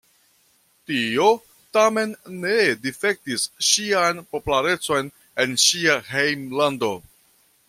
Tio tamen ne difektis ŝian popularecon en ŝia hejmlando.